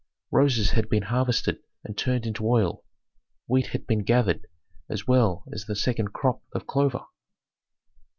Roses had been harvested and turned into oil; wheat had been gathered as well as the second crop of clover.